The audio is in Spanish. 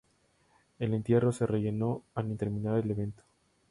El entierro se rellenó al terminar el evento.